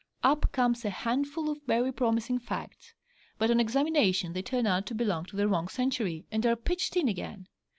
Up comes a handful of very promising facts, but on examination they turn out to belong to the wrong century, and are pitched in again.